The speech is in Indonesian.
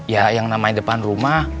ya yang namanya depan rumah